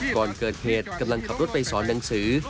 ก่อนเกิดเหตุกำลังขับรถไปสอนหนังสือ